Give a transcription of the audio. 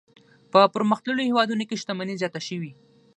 په پرمختللو هېوادونو کې شتمني زیاته شوې.